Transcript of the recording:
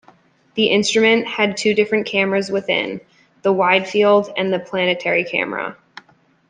The instrument had two different camera's within, the Wide Field and the Planetary Camera.